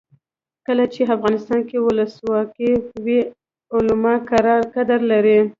کله چې افغانستان کې ولسواکي وي علما کرام قدر لري.